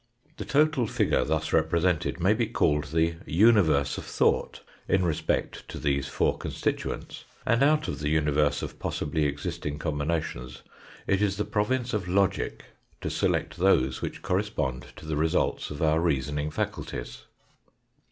The total figure thus represented may be called the universe of thought in respect to these four constituents, and out of the universe of possibly existing combinations it is the province of logic to select those which corre spond to the results of our reasoning faculties.